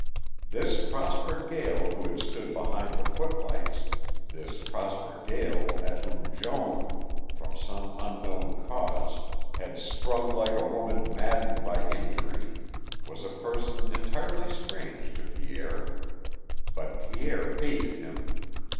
This Prosper Gael who had stood behind the footlights, this Prosper Gael at whom Joan, from some unknown cause, had sprung like a woman maddened by injury, was a person entirely strange to Pierre. But Pierre hated him.